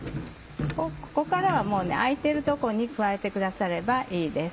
ここからは空いてるとこに加えてくださればいいです。